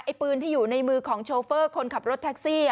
ปืนที่อยู่ในมือของโชเฟอร์คนขับรถแท็กซี่